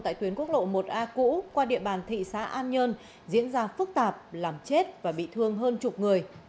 tại tuyến quốc lộ một a cũ qua địa bàn thị xã an nhơn diễn ra phức tạp làm chết và bị thương hơn chục người